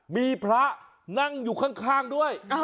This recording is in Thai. มีพระนั่งอยู่ข้างด้วย